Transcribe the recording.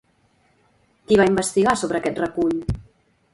Qui va investigar sobre aquest recull?